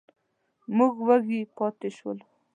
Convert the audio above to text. موږ وږي پاتې شولو.